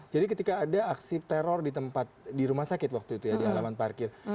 jadi ketika ada aksi teror di rumah sakit waktu itu ya di halaman parkir